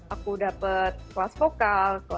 aku dapat kelas vokal